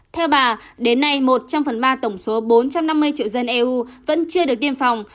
theo bà đến nay một trăm linh phần ba tổng số bốn trăm năm mươi triệu dân eu vẫn chưa được tiêm phòng